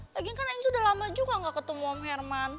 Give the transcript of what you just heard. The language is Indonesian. lagi kan ains udah lama juga gak ketemu om herman